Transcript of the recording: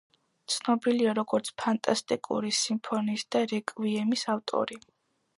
ცნობილია, როგორც „ფანტასტიკური სიმფონიის“ და „რეკვიემის“ ავტორი.